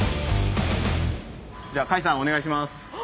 じゃあ甲斐さんお願いします！